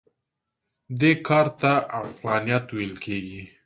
دې کار ته عقلانیت ویل کېږي.